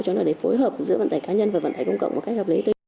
cho nó để phối hợp giữa vận tải cá nhân và vận tải công cộng một cách hợp lý